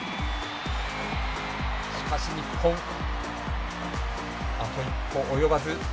しかし日本、あと一歩及ばず。